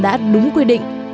đã đúng quy định